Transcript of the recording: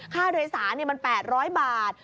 ค่าโดยสารเนี่ยมัน๘๐๐บาท